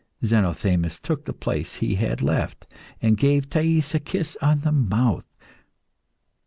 Zenothemis took the place he had left, and gave Thais a kiss on the mouth.